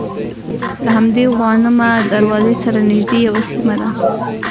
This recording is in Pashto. له همدې غوانمه دروازې سره نژدې یوه سیمه ده.